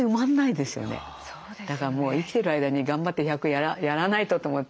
だからもう生きてる間に頑張って１００やらないとと思って。